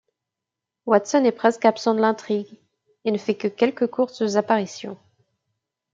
Watson est presque absent de l'intrigue et ne fait que quelques courtes apparitions.